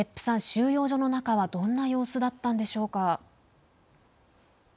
収容所の中はどんな様子だったんでしょうか。